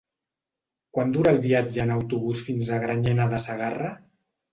Quant dura el viatge en autobús fins a Granyena de Segarra?